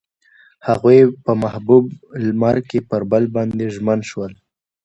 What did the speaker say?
هغوی په محبوب لمر کې پر بل باندې ژمن شول.